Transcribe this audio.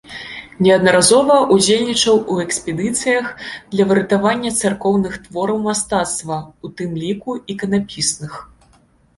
Неаднаразова ўдзельнічаў у экспедыцыях для выратавання царкоўных твораў мастацтва, у тым ліку іканапісных.